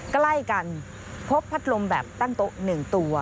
ใกล้กันพบพัดลมแบบตั้งโต๊ะ๑ตัว